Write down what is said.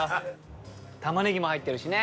玉ねぎも入ってるしね